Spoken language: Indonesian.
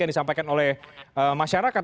yang disampaikan oleh masyarakat